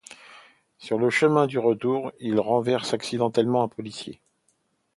Sur le chemin du retour, ils renversent accidentellement un policier.